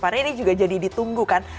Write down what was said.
karena ini juga jadi ditunggu kan